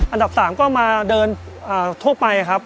อันดับ๓ก็มาเดินทั่วไปครับ